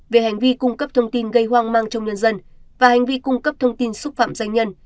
về hành vi cung cấp thông tin gây hoang mang trong nhân dân và hành vi cung cấp thông tin xúc phạm danh nhân